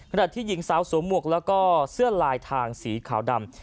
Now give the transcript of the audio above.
ขณะที่หญิงสาวสวมหมวกแล้วก็เสื้อลายทางสีขาวดำ